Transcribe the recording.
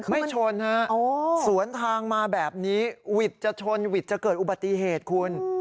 ไม่ชนฮะสวนทางมาแบบนี้วิทย์จะชนหวิดจะเกิดอุบัติเหตุคุณ